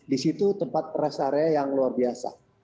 di situ tempat rest area yang luar biasa